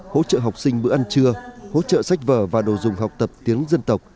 hỗ trợ học sinh bữa ăn trưa hỗ trợ sách vở và đồ dùng học tập tiếng dân tộc